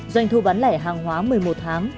doanh thu bán lẻ hàng hóa một mươi một tháng